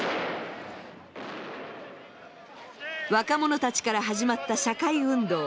若者たちから始まった社会運動